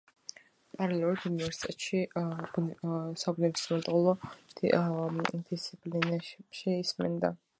პარალელურად უნივერსიტეტში საბუნებისმეტყველო დისციპლინებში ისმენდა